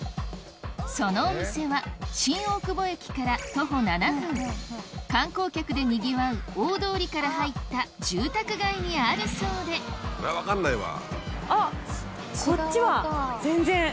そのお店は新大久保駅から徒歩７分観光客でにぎわう大通りから入った住宅街にあるそうであっ。